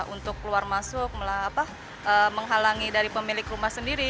untuk keluar masuk menghalangi dari pemilik rumah sendiri